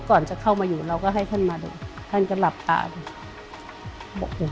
ก่อนจะเข้ามาอยู่เราก็ให้ท่านมาดูท่านก็หลับตาดู